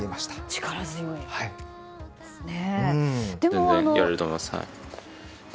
力強いですね。